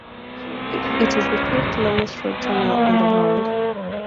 It is the fifth longest road tunnel in the world.